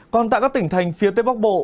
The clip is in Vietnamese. còn tại các tỉnh thành phía tây bắc bộ